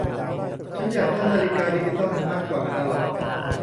ฉันอยากได้นาฬิกาดิจิตอลมากกว่าอนาล็อก